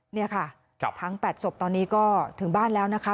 นี่ค่ะทั้ง๘ศพตอนนี้ก็ถึงบ้านแล้วนะคะ